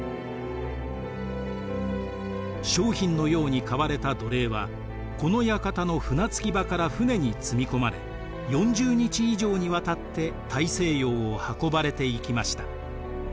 商品のように買われた奴隷はこの館の船着き場から船に積み込まれ４０日以上にわたって大西洋を運ばれていきました。